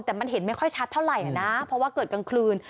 แต่มันเห็นไม่ค่อยชัดเท่าไหร่นะเพราะว่าเกิดกลางคืน